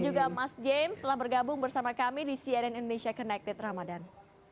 terima kasih mbak tim setelah bergabung bersama kami di cnn indonesia connected ramadhan